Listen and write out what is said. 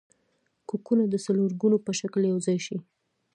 کوکونه د څلورګونو په شکل یوځای شي.